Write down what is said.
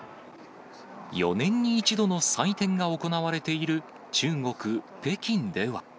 ４年に１度の祭典が行われている中国・北京では。